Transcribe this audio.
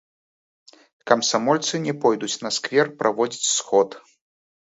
Камсамольцы не пойдуць на сквер праводзіць сход.